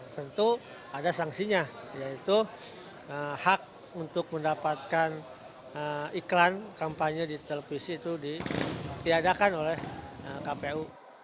tentu ada sanksinya yaitu hak untuk mendapatkan iklan kampanye di televisi itu ditiadakan oleh kpu